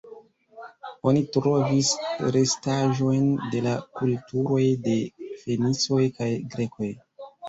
Oni trovis restaĵojn de la kulturoj de fenicoj kaj grekoj.